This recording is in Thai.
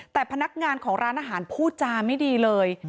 แต่พนักงานของร้านอาหารพูดจาไม่ดีเลย